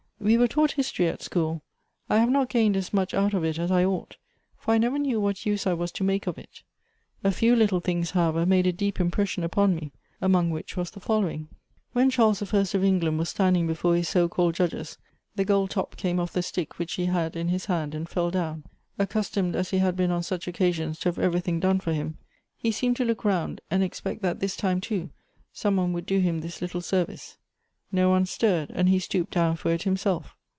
We were taught history at school ; I have not gained as much out of it as I ought, for I never knew what use I was to make of it ; a few little things, however, made a deep im pression upon me, among which was the following :— When Charles the First of England was standing before his so called judges, the gold top came off the stick which he had in his hand, and fell down. Accustomed as he h.ad been on such occasions to have everything done for him, he seemed to look round and expect that this time too some one would do him this little service. No one stin ed, and he stooped down for it himself.